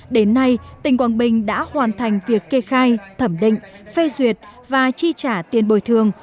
đến nay tỉnh quảng bình đã hoàn thành việc kê khai thẩm định phê duyệt và chi trả tiền bồi thường